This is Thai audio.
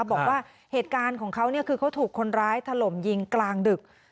บอกว่าเหตุการณ์ของเขาคือเขาถูกคนร้ายถล่มยิงกลางดึก